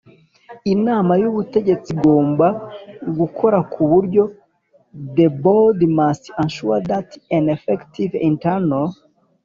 Inama y ubutegetsi igomba gukora ku buryo The board must ensure that an effective internal